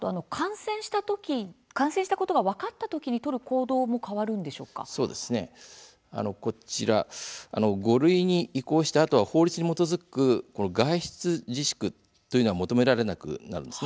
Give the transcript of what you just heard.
感染したことが分かった時に取る行動も５類に移行したあとは法律に基づく外出自粛というのは求められなくなります。